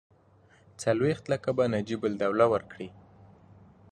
څلوېښت لکه به نجیب الدوله ورکړي.